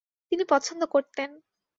তিনি পছন্দ করতেন ।